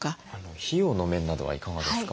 費用の面などはいかがですか？